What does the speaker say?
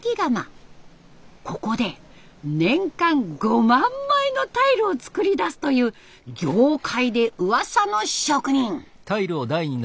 ここで年間５万枚のタイルを作り出すという業界でうわさの職人！